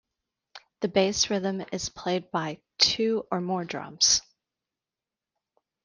The base rhythm is played by two or more drums.